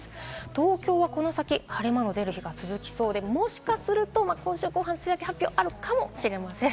東京はこの先、晴れ間の出る日が続きそうで、もしかすると今週後半に梅雨明け発表があるかもしれません。